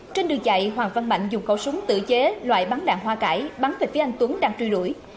trên đường chạy hoàng văn mạnh dùng khẩu súng tự chế loại bắn đạn hoa cải bắn về phía anh tuấn đang truy đuổi